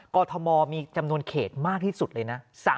กรทมมีจำนวนเขตมากที่สุดเลยนะ